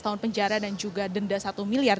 empat belas tahun penjara dan juga denda satu miliar